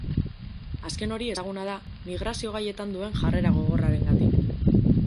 Azken hori ezaguna da migrazio gaietan duen jarrera gogorrarengatik.